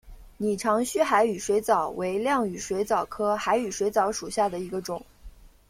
拟长须海羽水蚤为亮羽水蚤科海羽水蚤属下的一个种。